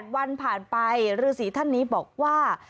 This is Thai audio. วันผ่านไปฤษีท่านนี้บอกว่า